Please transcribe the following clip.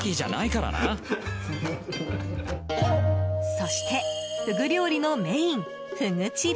そして、フグ料理のメインふぐちり。